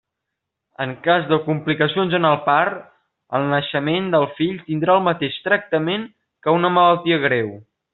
En cas de complicacions en el part, el naixement del fill tindrà el mateix tractament que una malaltia greu.